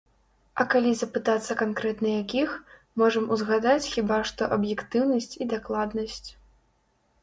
А калі запытацца канкрэтна якіх, можам узгадаць хіба што аб'ектыўнасць і дакладнасць.